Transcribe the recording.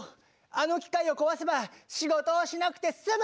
あの機械を壊せば仕事をしなくて済む！